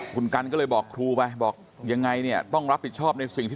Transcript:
คุณกัลจอมพลังบอกจะมาให้ลบคลิปได้อย่างไร